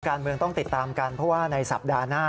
การเมืองต้องติดตามกันเพราะว่าในสัปดาห์หน้า